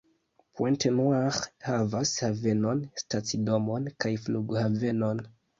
Pointe-Noire havas havenon, stacidomon kaj flughavenon.